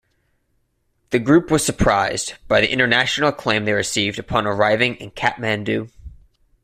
The group was surprised by the international acclaim they received upon arriving in Kathmandu.